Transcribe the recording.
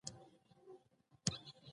ډيپلومات د هېواد د رسمي دریځ استازیتوب کوي.